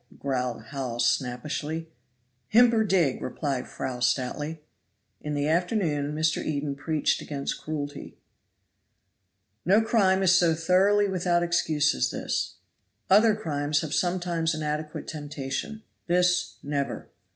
growled Hawes snappishly. "Himper dig!" replied Fry stoutly. In the afternoon Mr. Eden preached against cruelty. "No crime is so thoroughly without excuse as this. Other crimes have sometimes an adequate temptation, this never.